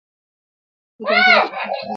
ده د مطالعې چاپېريال برابر کړ.